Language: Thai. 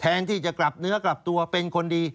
ที่จะกลับเนื้อกลับตัวเป็นคนดี